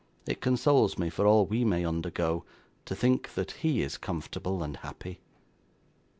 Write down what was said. It consoles me for all we may undergo, to think that he is comfortable and happy.